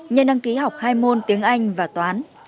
nhân đăng ký học hai môn tiếng anh và toán